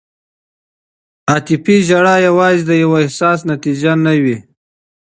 عاطفي ژړا یوازې د یو احساس نتیجه نه وي.